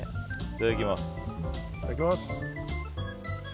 いただきます。